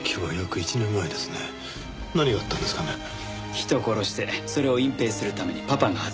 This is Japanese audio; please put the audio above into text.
人殺してそれを隠蔽するためにパパが圧力。